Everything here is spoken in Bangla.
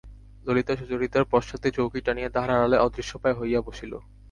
ললিতা সুচরিতার পশ্চাতে চৌকি টানিয়া তাহার আড়ালে অদৃশ্যপ্রায় হইয়া বসিল।